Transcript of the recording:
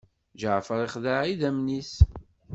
Ǧaɛfeṛ ixdeɛ idammen-is.